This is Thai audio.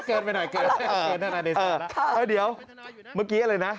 ค่ะมารักอารมณ์จริง